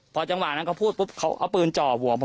พอจังหวะนั้นเขาพูดปุ๊บเขาเอาปืนจ่อหัวผม